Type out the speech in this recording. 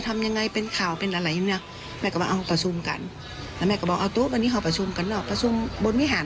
แม่ก็อยากเอาประสุนบุญวิหาร